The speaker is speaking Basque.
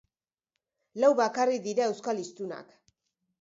Lau bakarrik dira euskal hiztunak.